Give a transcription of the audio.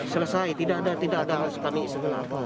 selesai tidak ada harus kami isi kelapa